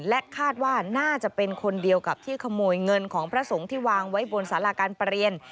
และคาดว่าน่าจะเป็นคนเดียวกับที่ขโมยเงินของพระสงฆ์ที่วางไว้บนสาราการประเรียน